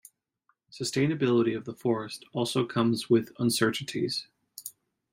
Sustainability of the forest also comes with uncertainties.